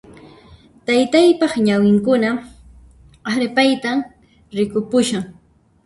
Taytaypaq ñawinkuna arphaytan rikupushan